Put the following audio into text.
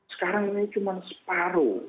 sekarang ini cuma separuh